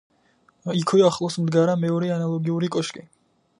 იქვე ახლოს მდგარა მეორე ანალოგიური კოშკი.